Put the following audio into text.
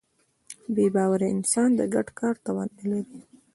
بېباوره انسان د ګډ کار توان نهلري.